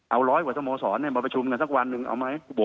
เอาร้อยกว่าสโมสรมาประชุมกันสักวันหนึ่งเอาไหม